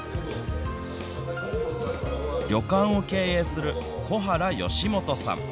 旅館を経営する小原嘉元さん。